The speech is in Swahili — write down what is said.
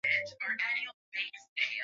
ni sawa na kutokuwa na taifa lenye nguvu